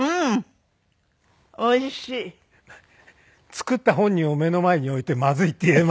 作った本人を目の前に置いてまずいって言えませんもんね。